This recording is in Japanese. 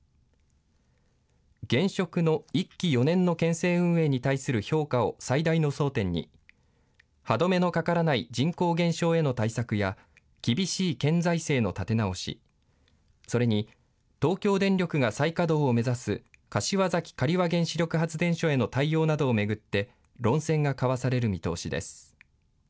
現職の１期４年の県政運営に対する評価を最大の争点に、歯止めのかからない人口減少への対策や、厳しい県財政の立て直し、それに、東京電力が再稼働を目指す柏崎刈羽原子力発電所への対応などを巡って、論戦が交わされる見通しです。